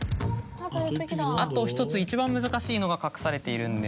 あと１つ一番難しいのが隠されているんですが。